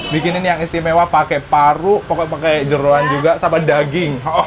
bikinin yang istimewa pakai paru pakai jeruan juga sama daging